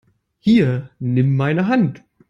Hier, nimm meine Hand!